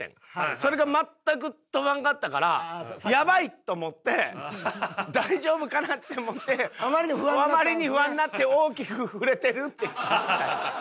それが全く飛ばんかったから「やばい」と思って「大丈夫かな？」って思ってあまりに不安になって「大きく振れてる？」って聞いた。